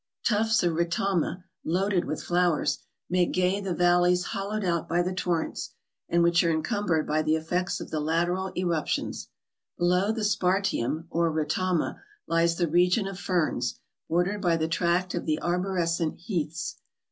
Tufts of retama, loaded with flowers, make gay the valleys hollowed out by the torrents, and which are encumbered by the effects of the lateral eruptions ; below the spartium, or retama, lies the region of ferns, bordered by the tract of the arborescent heaths.